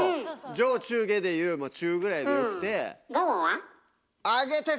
上中下で言うもう中ぐらいでよくて。